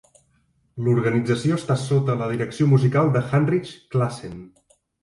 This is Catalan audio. L'organització està sota la direcció musical de Hanrich Claassen.